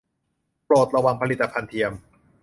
โปรดระวัง 'ผลิตภัณฑ์เทียม' !